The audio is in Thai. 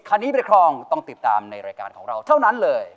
คันนี้ไปครองต้องติดตามในรายการของเราเท่านั้นเลย